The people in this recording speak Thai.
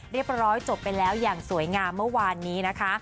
เรียบร้อยจบไปแล้วอย่างสวยงามเมื่อวานนี้นะคะ